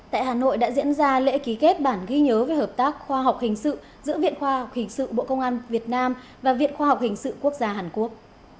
tại hà nội đã diễn ra lễ ký kết bản ghi nhớ về hợp tác khoa học hình sự giữa viện khoa học hình sự bộ công an việt nam và viện khoa học hình sự quốc gia hàn quốc